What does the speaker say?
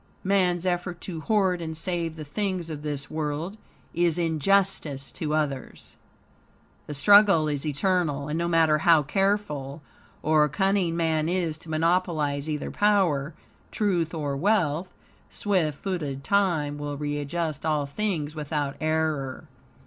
Man's effort to hoard and save the things of this world IS INJUSTICE TO OTHERS. The struggle is eternal, and no matter how careful or cunning man is to monopolize either power, truth or wealth, swift footed time will readjust all things without error.